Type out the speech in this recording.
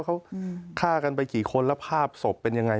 เขาฆ่ากันไปกี่คนแล้วภาพศพเป็นยังไง